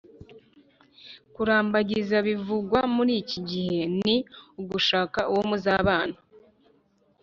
Kurambagiza bivugwa muri iki gice ni ugushaka uwo muzabana